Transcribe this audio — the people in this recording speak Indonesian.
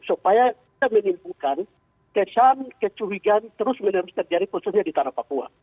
supaya kita menimbulkan kesan kecurigaan terus menerus terjadi khususnya di tanah papua